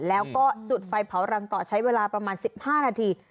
แล้วก็จุดไฟเผารังต่อใช้เวลาประมาณ๑๕นาที